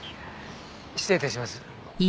失礼致します。